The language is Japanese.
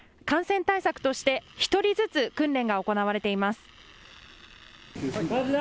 感染対策として１人ずつ訓練が行われています。